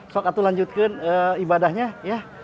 sokatu lanjutkan ibadahnya ya